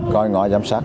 coi ngõ giám sát